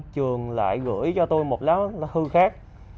trường lại gửi cho tôi một lá thư khác